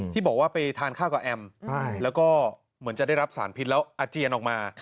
ที่บอกว่าไปทานข้าวกับแอมแล้วก็เหมือนจะได้รับสารพิษแล้วอาเจียนออกมา